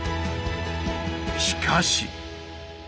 しかし。